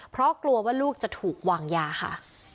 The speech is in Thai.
เพราะกลัวว่าลูกจะถูกวางยาค่ะ